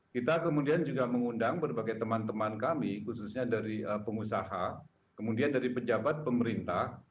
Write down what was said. kita kemudian juga mengundang berbagai teman teman kami khususnya dari pengusaha kemudian dari pejabat pemerintah